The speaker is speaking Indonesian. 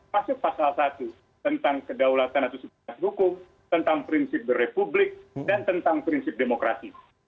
masuk pasal satu tentang kedaulatan atau sebuah hukum tentang prinsip berrepublik dan tentang prinsip demokrasi